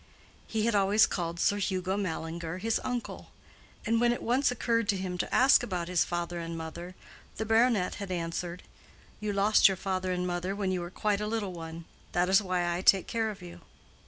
He had always called Sir Hugo Mallinger his uncle, and when it once occurred to him to ask about his father and mother, the baronet had answered, "You lost your father and mother when you were quite a little one; that is why I take care of you."